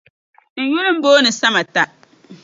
N yuli m-booni Samata.